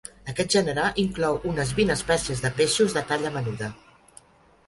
Aquest gènere inclou unes vint espècies de peixos de talla menuda.